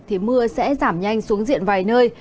thì mưa sẽ giảm nhanh xuống diện vài nơi